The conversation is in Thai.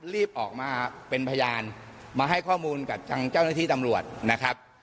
รีบออกมาเป็นพยานมาให้ข้อมูลกับทางเจ้าหน้าที่ตำรวจนะครับ